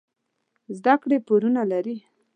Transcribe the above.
زده کړې پورونه لري.